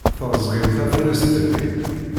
Teẓẓgem tafunast-nni.